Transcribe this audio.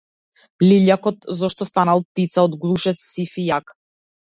Лилјакот зашто станал птица од глушец сив и јак.